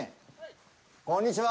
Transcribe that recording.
こんにちは。